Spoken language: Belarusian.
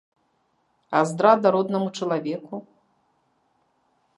А здрада роднаму чалавеку?